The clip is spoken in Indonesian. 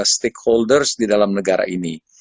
stakeholders di dalam negara ini